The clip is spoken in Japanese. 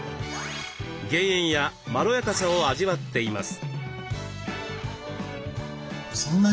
減塩やまろやかさを味わっています。